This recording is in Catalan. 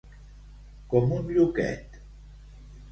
Com un lluquet.